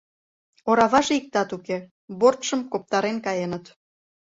Ораваже иктат уке, бортшым коптарен каеныт.